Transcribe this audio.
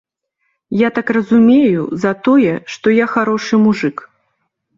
Я так разумею, за тое, што я харошы мужык.